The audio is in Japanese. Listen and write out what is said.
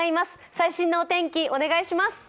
最新のお天気、お願いします。